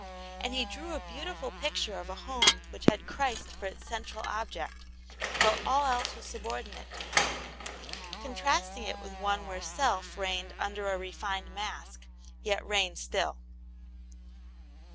And he drew a beautiful picture of a home which had Christ for its central object, while all else was subordinate to Him, contrasting it with one where self reigned under a refined mask, yet reigned still.